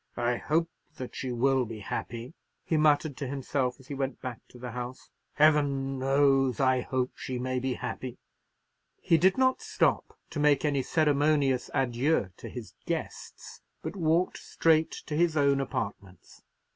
"I hope that she will be happy," he muttered to himself as he went back to the house. "Heaven knows I hope she may be happy." He did not stop to make any ceremonious adieu to his guests, but walked straight to his own apartments.